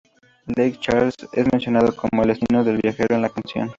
Lake Charles es mencionado como el destino del viajero en la canción.